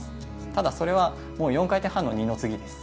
ただそれは４回転半の二の次です。